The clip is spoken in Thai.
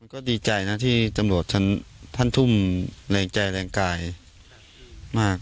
ก็ดีใจนะที่ตำรวจท่านทุ่มแรงใจแรงกายมาก